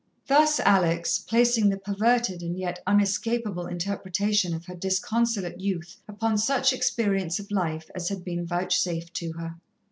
Thus Alex, placing the perverted and yet unescapable interpretation of her disconsolate youth upon such experience of life as had been vouchsafed to her.